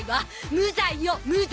無罪よ無罪！